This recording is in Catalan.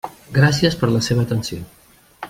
Gràcies per la seva atenció.